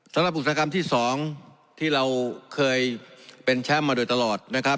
อุตสาหกรรมที่๒ที่เราเคยเป็นแชมป์มาโดยตลอดนะครับ